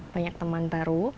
banyak teman baru